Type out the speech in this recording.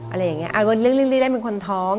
อะไรอย่างนี้อ่านว่าลึกเป็นคนท้อง